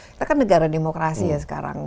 kita kan negara demokrasi ya sekarang